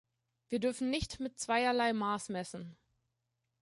Wir dürfen nicht mit zweierlei Maß messen.